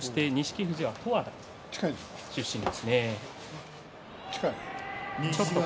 富士は十和田出身です。